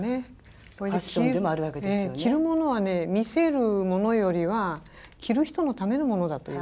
着るものは見せるものよりは着る人のためのものだという。